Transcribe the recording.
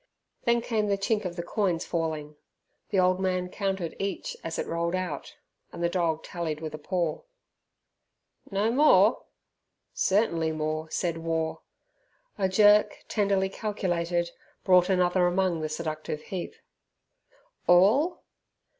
Then came the chink of the coins falling. The old man counted each as it rolled out, and the dog tallied with a paw. "No more?" Certainly more, said War. A jerk, tenderly calculated, brought another among the seductive heap. "All?"